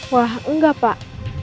wah enggak pak